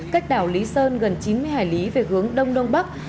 cách đảo lý sơn gần chín mươi hải lý về hướng đông đông bắc